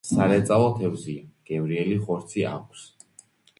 სარეწაო თევზია, გემრიელი ხორცი აქვს.